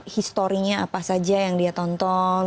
historinya apa saja yang dia tonton